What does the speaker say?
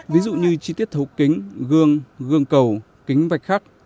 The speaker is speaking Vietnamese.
ví dụ như chi tiết thấu kính gương gương cầu kính vạch khắc